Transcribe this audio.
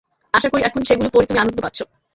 আশা করি, এখন সেগুলি পড়ে তুমি আনন্দ পাচ্ছ।